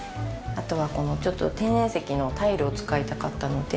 あとはこのちょっと天然石のタイルを使いたかったので。